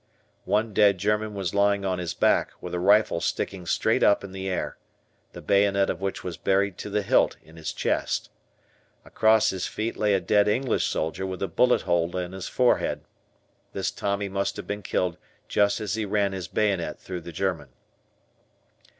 One dead German was lying on his back, with a rifle sticking straight up in the air, the bayonet of which was buried to the hilt in his chest. Across his feet lay a dead English soldier with a bullet hole in his forehead. This Tommy must have been killed just as he ran his bayonet through the German.